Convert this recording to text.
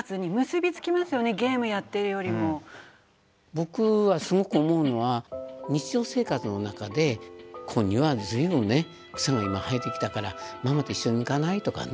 僕はすごく思うのは日常生活の中で庭に随分ね草が今生えてきたから「ママと一緒に抜かない？」とかね。